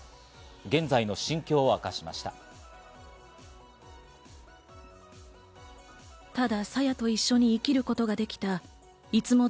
現在の心境を明かしました。